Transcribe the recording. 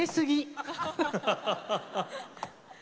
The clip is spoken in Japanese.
ハハハッ！